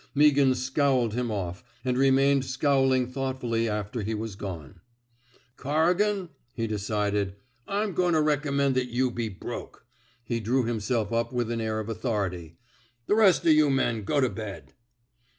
Meaghan scowled him off, and remained scowling thoughtfully after he was gone. Corrigan," he decided, I'm goin' to recommend that you be broke." He drew himself up with an air of authority. *' The rest of you men go to bed."